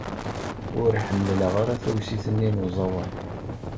Ur ḥemmleɣ ara tawsit-nni n uẓawan.